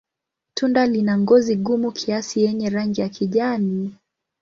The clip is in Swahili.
Tunda lina ngozi gumu kiasi yenye rangi ya kijani.